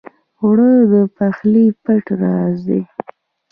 اوړه د پخلي پټ راز دی